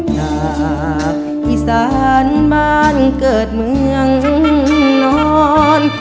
หน้าอีสานบ้านเกิดเมืองนอน